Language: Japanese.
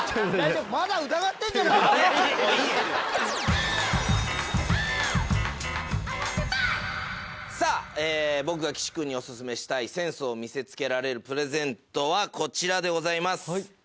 ・もういいです・さぁ僕が岸君にお薦めしたいセンスを見せつけられるプレゼントはこちらでございます。